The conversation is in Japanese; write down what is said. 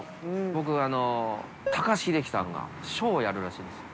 僕、高橋英樹さんが書をやるらしいんですよ。